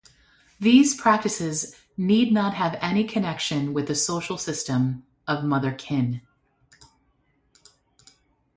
These practices need not have any connection with the social system of mother-kin.